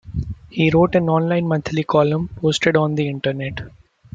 He wrote an online monthly column posted on the Internet.